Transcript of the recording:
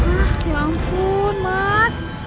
ah ya ampun mas